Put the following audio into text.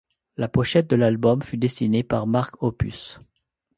La pochette de l'album fut dessinée par Mark Hoppus.